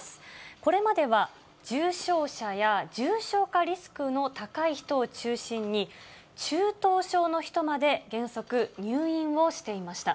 これまでは重症者や重症化リスクの高い人を中心に、中等症の人まで原則、入院をしていました。